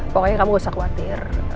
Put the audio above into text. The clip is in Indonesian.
pokoknya kamu gak usah khawatir